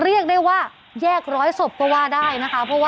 เรียกได้ว่าแยกร้อยศพตัวได้นะคะเพราะว่า